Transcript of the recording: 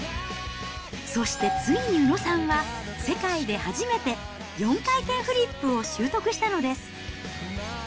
そしてついに宇野さんは、世界で初めて４回転フリップを習得したのです。